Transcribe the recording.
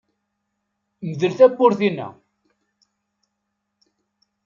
Mdel tawwurt-inna.